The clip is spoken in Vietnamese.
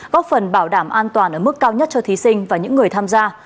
góp phần bảo đảm an toàn ở mức cao nhất cho thí sinh và những người tham gia